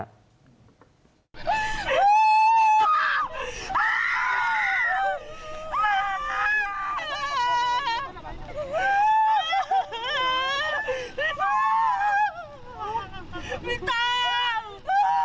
พี่ตาม